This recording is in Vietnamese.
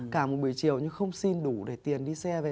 cả một buổi chiều nhưng không xin đủ để tiền đi xe về